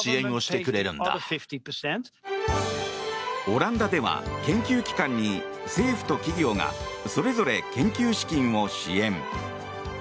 オランダでは研究機関に政府と企業がそれぞれ研究資金を支援。